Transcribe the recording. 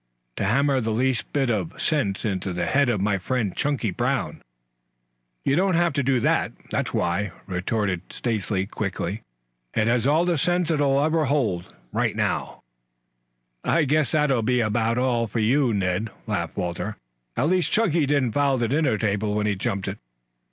"To hammer the least little bit of sense into the head of my friend, Chunky Brown." "You don't have to, that's why," retorted Stacy quickly. "It has all the sense it'll hold, now." "I guess that will be about all for you, Ned," laughed Walter. "At least, Chunky didn't foul the dinner table when he jumped it."